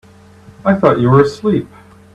I thought you were asleep.